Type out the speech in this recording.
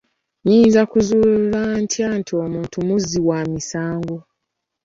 Nnyinza kuzuula ntya nti omuntu muzzi wa misango?